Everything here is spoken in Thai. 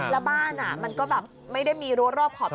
แล้วบ้านมันก็แบบไม่ได้มีรั้วรอบขอบ